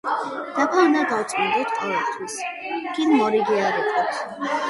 დაფა უნდა გავწმინდოთ ყოველთვის გინდ მორიგე არ იყოთ